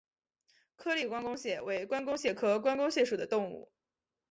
颗粒关公蟹为关公蟹科关公蟹属的动物。